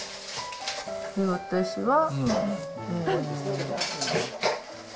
私は。